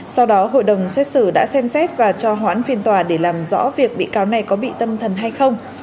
sau đó hội đồng xét xử đã xem xét và cho hoãn phiên tòa để làm rõ việc bị cáo này có bị tâm thần hay không